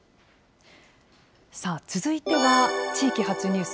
さあ、続いては地域発ニュース。